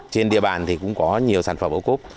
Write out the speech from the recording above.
trên địa bàn thì cũng có nhiều sản phẩm ô cốp